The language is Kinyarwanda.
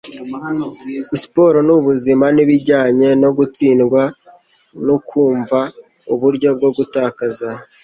Sport nubuzima nibijyanye no gutsindwa. Nukwumva uburyo bwo gutakaza